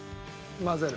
混ぜる？